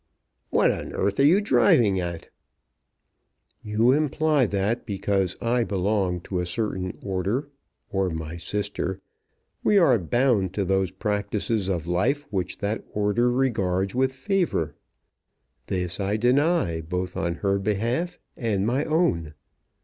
"What on earth are you driving at?" "You imply that because I belong to a certain order, or my sister, we are bound to those practices of life which that order regards with favour. This I deny both on her behalf and my own.